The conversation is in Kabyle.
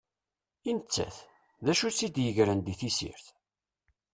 I nettat, d acu i tt-id-igren di tessirt?